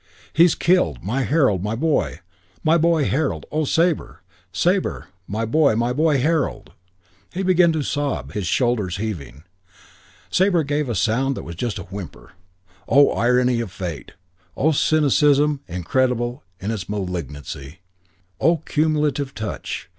"He's killed. My Harold. My boy. My boy, Harold. Oh, Sabre, Sabre, my boy, my boy, my Harold!" He began to sob; his shoulders heaving. Sabre gave a sound that was just a whimper. Oh, irony of fate! Oh, cynicism incredible in its malignancy! Oh, cumulative touch!